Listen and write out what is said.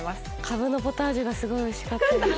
かぶのポタージュがすごいおいしかったです。